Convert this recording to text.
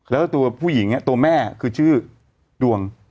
แล้วตัวผู้หญิงตัวแม่คือชื่อดวง